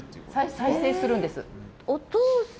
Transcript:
再生するんです。